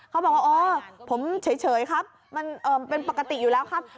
เขาบอกว่าอ๋อผมเฉยครับมันเป็นปกติอยู่แล้วครับ